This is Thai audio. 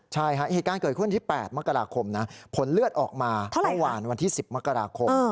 ใช่ค่ะเหตุการณ์เกิดขึ้นที่๘มกราคมนะผลเลือดออกมาเมื่อวานวันที่๑๐มกราคม